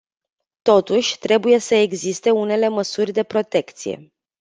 Totuși, trebuie să existe unele măsuri de protecție.